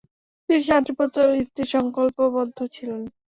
তিনি শান্তিপ্রিয়তা ও স্থির সংকল্পবদ্ধ ছিলেন।